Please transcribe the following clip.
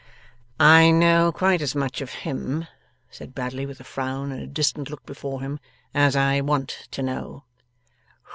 'I know quite as much of him,' said Bradley, with a frown and a distant look before him, 'as I want to know.